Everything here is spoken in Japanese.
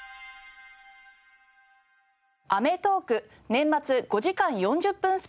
『アメトーーク』年末５時間４０分